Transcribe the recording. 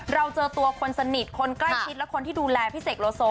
เราเจอตัวคนสนิทคนใกล้ชิดและคนที่ดูแลพี่เสกโลโซ